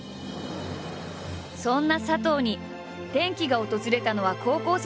そんな佐藤に転機が訪れたのは高校生のとき。